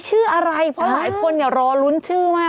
ชื่ออะไรเพราะหลายคนเนี่ยรอลุ้นชื่อมาก